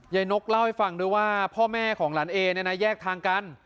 นกเล่าให้ฟังด้วยว่าพ่อแม่ของหลานเอเนี่ยนะแยกทางกัน